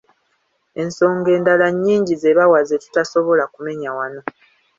Ensonga endala nnyingi ze bawa ze tutasobola kumenya wano.